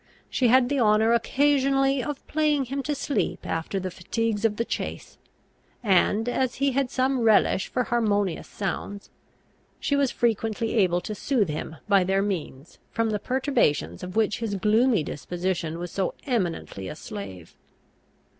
She had the honour occasionally of playing him to sleep after the fatigues of the chase; and, as he had some relish for harmonious sounds, she was frequently able to soothe him by their means from the perturbations of which his gloomy disposition was so eminently a slave.